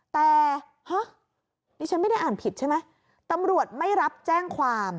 แต่ฮะดิฉันไม่ได้อ่านผิดใช่ไหมตำรวจไม่รับแจ้งความ